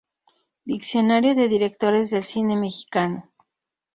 Diccionario de directores del cine mexicano.